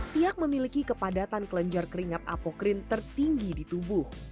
tiak memiliki kepadatan kelenjar keringat apokrin tertinggi di tubuh